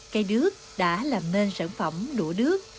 cây đứt đã làm nên sản phẩm đũa đứt